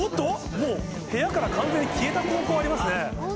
もう部屋から完全に消えた高校ありますね。